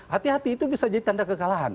hati hati itu bisa jadi tanda kekalahan